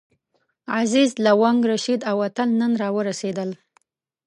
عزیز، لونګ، رشید او اتل نن راورسېدل.